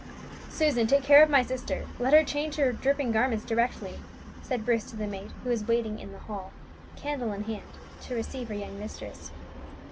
"Susan, take care of my sister; let her change her dripping garments directly," said Bruce to the maid, who was waiting in the hall, candle in hand, to receive her young mistress.